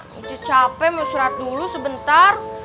saya capek mau surat dulu sebentar